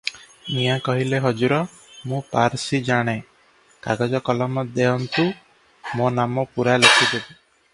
ମିଆଁ କହିଲେ, "ହଜୁର, ମୁଁ ପାରସି ଜାଣେ; କାଗଜ କଲମ ଦେଉନ୍ତୁ, ମୋ ନାମ ପୂରା ଲେଖିଦେବି ।